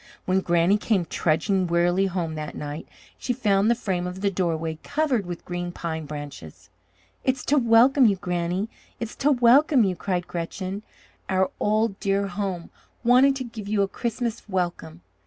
When Granny came trudging wearily home that night, she found the frame of the doorway covered with green pine branches. "It's to welcome you, Granny! It's to welcome you!" cried Gretchen; "our old dear home wanted to give you a Christmas welcome.